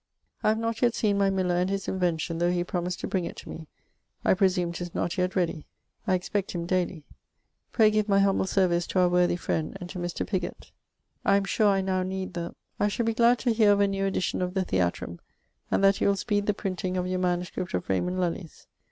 I have not yet seen my miller and his invention, though he promised to bring it to me; I presume 'tis not yet ready. I expect him dayly. Pray give my humble service to our worthy friend, and to Mr. Pigott. I am sure I now need the.... I shall be glad to heare of a new edition of the Theatrum and that you will speed the printing of your MS. of Raymund Lullye's.